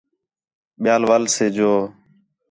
ٻِیال وَل سے جُو